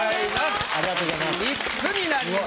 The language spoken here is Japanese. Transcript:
ありがとうございます。